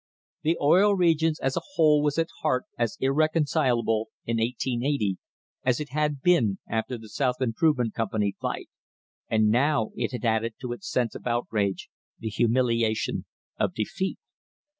The Oil Regions as a whole was at heart as irreconcilable in 1880 as it had been after the South Im provement Company fight, and now it had added to its sense of outrage the humiliation of defeat.